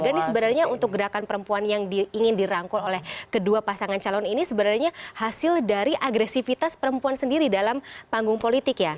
jadi sebenarnya untuk gerakan perempuan yang ingin dirangkul oleh kedua pasangan calon ini sebenarnya hasil dari agresivitas perempuan sendiri dalam panggung politik ya